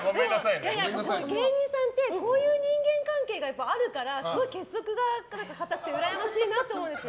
芸人さんってこういう人間関係があるからすごい結束が固くてうらやましいなと思うんです。